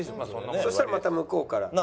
そしたらまた向こうから。なんて？